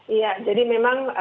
iya jadi memang